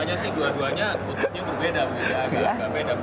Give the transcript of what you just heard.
tapi rasanya sih dua duanya kutubnya berbeda